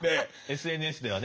ＳＮＳではね。